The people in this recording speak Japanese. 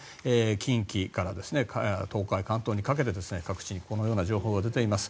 近畿から東海・関東にかけて各地にこのような情報が出ています。